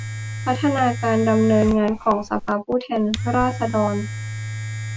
พัฒนาการดำเนินงานของสภาผู้แทนราษฎร